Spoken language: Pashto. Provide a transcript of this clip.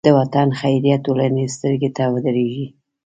د وطن خیریه ټولنې سترګو ته ودرېدې.